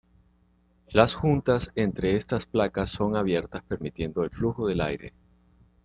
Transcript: Las juntas entre estas placas son abiertas, permitiendo el flujo de aire.